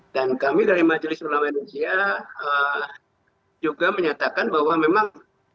dan kami dari majelis ulama indonesia juga menyatakan bahwa memang